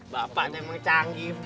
bapaknya emang canggif